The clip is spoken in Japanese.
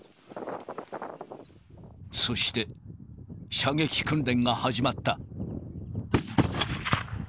そして、射撃訓練が始まった。